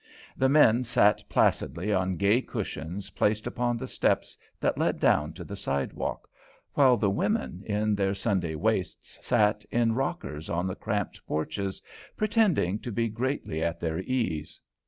The men sat placidly on gay cushions placed upon the steps that led down to the sidewalk, while the women, in their Sunday "waists," sat in rockers on the cramped porches, pretending to be greatly at their ease.